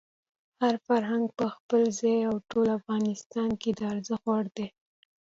هر فرهنګ په خپل ځای او ټول افغانستان کې د ارزښت وړ دی.